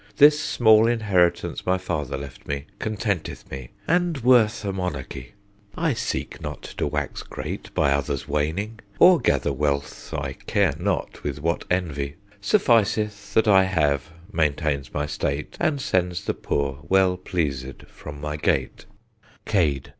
This small inheritance, my father left me, Contenteth me, and worth a monarchy. I seek not to wax great by others' waning; Or gather wealth I care not with what envy: Sufficeth that I have maintains my state, And sends the poor well pleaséd from my gate. _Cade.